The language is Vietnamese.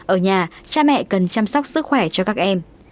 ở nhà cha mẹ cần chăm sóc sức khỏe cho các em